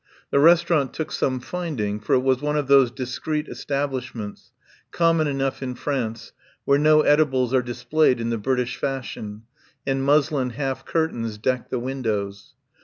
The restaurant took some finding, for it was one of those dis creet establishments, common enough in France, where no edibles are displayed in the British fashion, and muslin half curtains deck the windows.